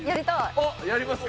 おっやりますか？